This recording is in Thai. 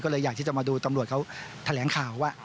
ก็เลยอยากที่จะมาดูตำรวจเขาแถลงข่าวว่า